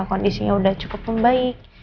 kondisinya udah cukup membaik